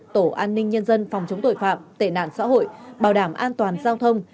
tổ an ninh nhân dân phòng chống tội phạm tệ nạn xã hội bảo đảm an toàn giao thông